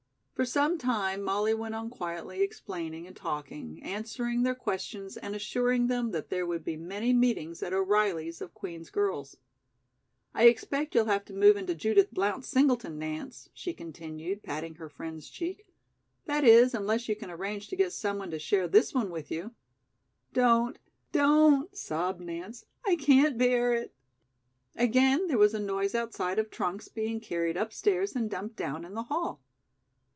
For some time, Molly went on quietly explaining and talking, answering their questions and assuring them that there would be many meetings at O'Reilly's of Queen's girls. "I expect you'll have to move into Judith Blount's singleton, Nance," she continued, patting her friend's cheek. "That is, unless you can arrange to get someone to share this one with you." "Don't, don't," sobbed Nance. "I can't bear it." Again there was a noise outside of trunks being carried upstairs and dumped down in the hall.